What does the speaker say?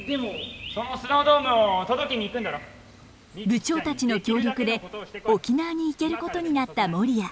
部長たちの協力で沖縄に行けることになったモリヤ。